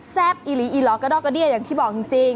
แซ่อีหลีอีหลอกระดอกกระเดี้ยอย่างที่บอกจริง